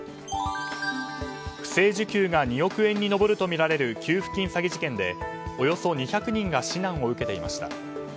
不正受給が２億円に上るとみられる給付金詐欺事件でおよそ２００人が指南を受けていました。